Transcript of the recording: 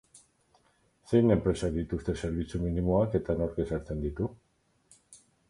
Zein enpresak dituzte zerbitzu minimoak eta nork ezartzen ditu?